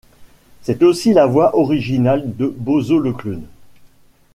C'est aussi la voix originale de Bozo le clown.